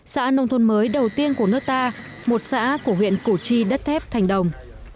xã nông thôn mới đầu tiên của nước ta một xã của huyện củ chi đất thép thành đồng